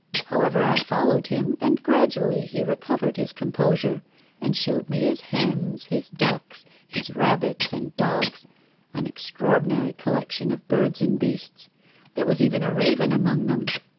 However, I followed him, and gradually he recovered his composure, and showed me his hens, his ducks, his rabbits and dogs an extraordinary collection of birds and beasts; there was even a raven among them.